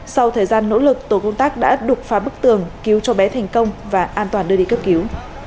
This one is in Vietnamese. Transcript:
sau thời gian nỗ lực tổ công tác đã đục phá bức tường cứu cho bé thành công và an toàn đưa đi cấp cứu